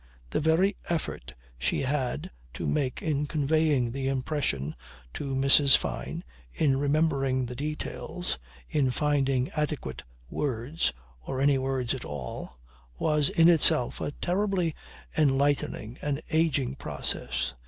The very effort she had to make in conveying the impression to Mrs. Fyne, in remembering the details, in finding adequate words or any words at all was in itself a terribly enlightening, an ageing process.